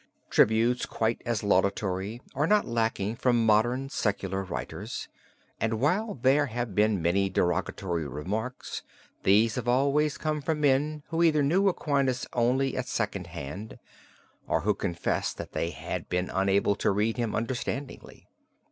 Tributes quite as laudatory are not lacking from modern secular writers and while there have been many derogatory remarks, these have always come from men who either knew Aquinas only at second hand, or who confess that they had been unable to read him understandingly.